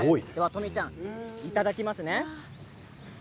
とみちゃんいただきますね。